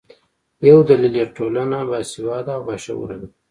یو دلیل یې ټولنه باسواده او باشعوره ده.